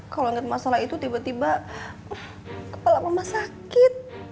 kalau nget masalah itu tiba tiba kepala mama sakit